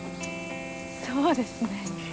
そうですね。